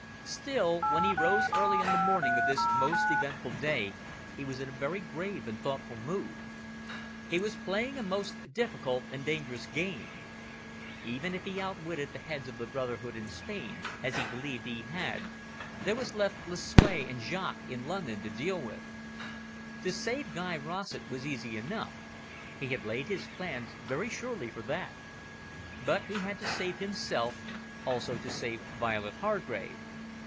Still, when he rose early on the morning of this most eventful day, he was in a very grave and thoughtful mood. He was playing a most difficult and dangerous game. Even if he outwitted the Heads of the brotherhood in Spain, as he believed he had, there were left Lucue and Jaques in London to deal with. To save Guy Rossett was easy enough; he had laid his plans very surely for that. But he had to save himself; also to save Violet Hargrave.